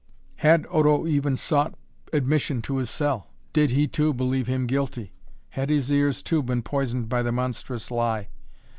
Had Odo even sought admission to his cell? Did he, too, believe him guilty? Had his ears, too, been poisoned by the monstrous lie?